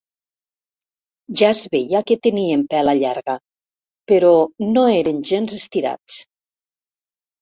Ja es veia que tenien pela llarga, però no eren gens estirats.